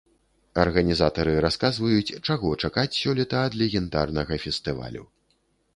Арганізатары расказваюць, чаго чакаць сёлета ад легендарнага фестывалю.